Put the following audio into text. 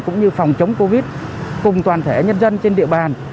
cũng như phòng chống covid cùng toàn thể nhân dân trên địa bàn